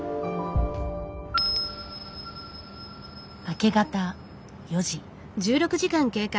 明け方４時。